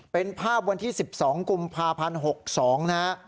เป็นภาพวันที่๑๒กุมภาพันธ์๖๒นะฮะ